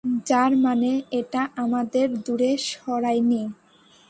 যার মানে, এটা আপনাদের দূরে সরায়নি।